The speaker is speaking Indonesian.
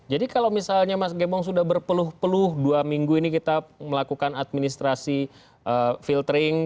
jadi kalau misalnya mas gembong sudah berpeluh peluh dua minggu ini kita melakukan administrasi filtering